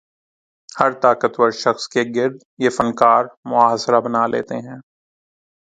ہر طاقت ور شخص کے گرد یہ فنکار محاصرہ بنا لیتے ہیں۔